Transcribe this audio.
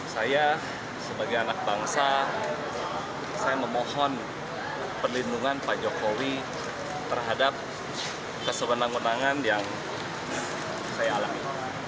saya sebagai anak bangsa saya memohon perlindungan pak jokowi terhadap kesewenang wenangan yang saya alami